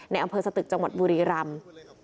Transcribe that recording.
ในอำเภอสตึกจังหวัดบุรีรัมย์